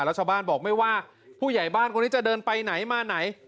แล้วชาวบ้านบอกไม่ว่าผู้ใหญ่บ้านคนนี้จะเดินไปไหนมาไหน